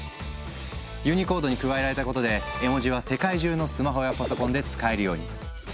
ユニコードに加えられたことで絵文字は世界中のスマホやパソコンで使えるように。